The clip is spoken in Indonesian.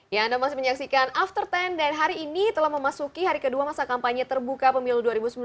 ya anda masih menyaksikan after sepuluh dan hari ini telah memasuki hari kedua masa kampanye terbuka pemilu dua ribu sembilan belas